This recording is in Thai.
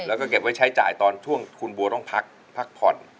แล้วก็เก็บไว้ใช้จ่ายตอนช่วงคุณบัวต้องพักผ่อน